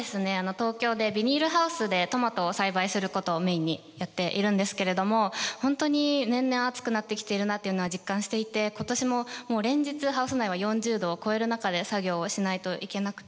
東京でビニールハウスでトマトを栽培することをメインにやっているんですけれども本当に年々暑くなってきているなっていうのは実感していて今年ももう連日ハウス内は４０℃を超える中で作業をしないといけなくて。